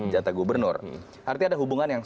jatah gubernur artinya ada hubungan yang